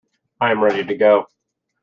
I am ready to go.